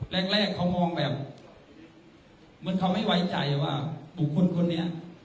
แรกเขามองแบบเหมือนเขาไม่ไว้ใจว่าบุคคลคนนี้